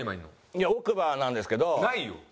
いや奥歯なんですけど。